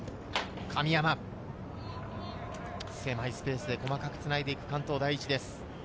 狭いスペースで細かくつないでいく関東第一です。